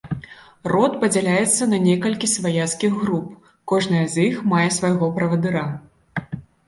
Род падзяляецца на некалькі сваяцкіх груп, кожная з іх мае свайго правадыра.